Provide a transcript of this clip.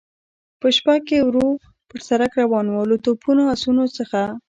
په شپه کې ورو پر سړک روان و، له توپونو، اسونو څخه.